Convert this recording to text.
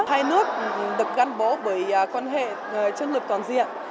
hai nước được gắn bố bởi quan hệ chân lực toàn diện